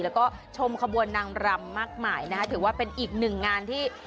แล้วก็ชมขบวนนางรำมากมายนะคะถือว่าเป็นอีกหนึ่งงานที่